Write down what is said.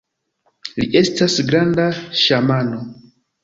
Li estas granda ŝamano!